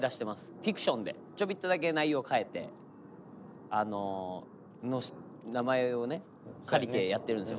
フィクションでちょびっとだけ内容変えて名前を借りてやってるんですよ。